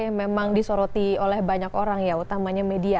yang memang disoroti oleh banyak orang ya utamanya media